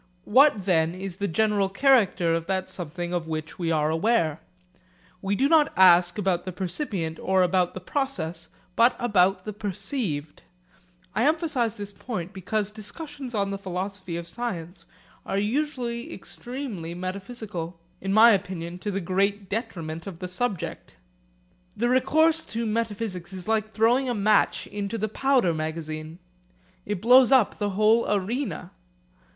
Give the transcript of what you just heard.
What then is the general character of that something of which we are aware? We do not ask about the percipient or about the process, but about the perceived. I emphasise this point because discussions on the philosophy of science are usually extremely metaphysical in my opinion, to the great detriment of the subject. The recourse to metaphysics is like throwing a match into the powder magazine. It blows up the whole arena.